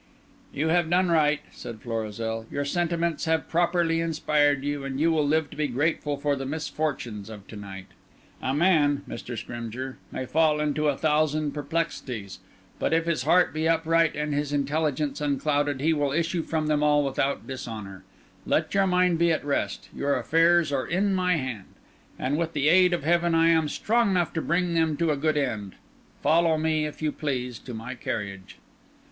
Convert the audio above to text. "You have done right," said Florizel, "your sentiments have properly inspired you, and you will live to be grateful for the misfortunes of to night. A man, Mr. Scrymgeour, may fall into a thousand perplexities, but if his heart be upright and his intelligence unclouded, he will issue from them all without dishonour. Let your mind be at rest; your affairs are in my hand; and with the aid of heaven I am strong enough to bring them to a good end. Follow me, if you please, to my carriage."